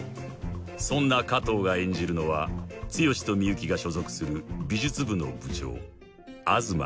［そんな加藤が演じるのは剛と深雪が所属する美術部の部長東ミチル］